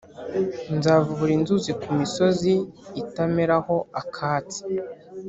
Nzavubura inzuzi ku misozi itameraho akatsi,